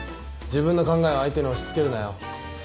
自分の考えを相手に押し付けるなよ。